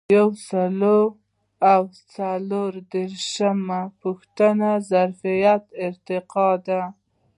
یو سل او څلور دیرشمه پوښتنه د ظرفیت ارتقا ده.